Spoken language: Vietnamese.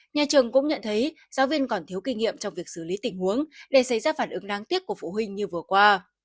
nhà trường cũng nhận thấy giáo viên còn thiếu kinh nghiệm trong việc xử lý tình huống để xảy ra phản ứng đáng tiếc của phụ huynh như vừa qua